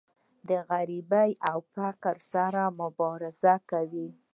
د غریبۍ او فقر سره مبارزه کوي.